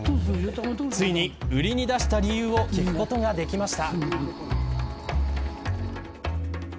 ついに、売りに出した理由を聞くことができました。